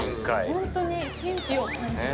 ホントに神秘を感じるというか。